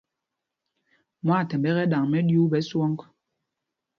Mwâthɛmb ɛ́ ɛ́ tɔ kɛ ɗaŋ mɛɗyuu ɓɛ swɔŋ.